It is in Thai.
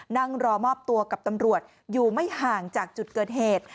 นั่งรอมอบตัวกับตำรวจอยู่ไม่ห่างจากจุดเกิดเหตุ